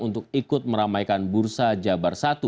untuk ikut meramaikan bursa jabar satu